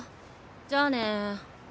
じゃあね。